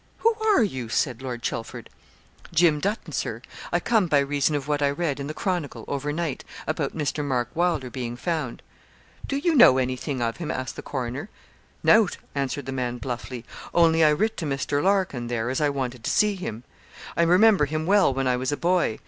'Who are you?' said Lord Chelford. 'Jim Dutton, Sir; I come by reason of what I read in the "Chronicle" over night, about Mr. Mark Wylder being found.' 'Do you know anything of him?' asked the coroner. 'Nowt,' answered the man bluffly, 'only I writ to Mr. Larkin, there, as I wanted to see him. I remember him well when I was a boy.